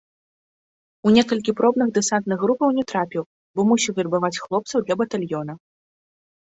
У некалькі пробных дэсантных групаў не трапіў, бо мусіў вербаваць хлопцаў для батальёна.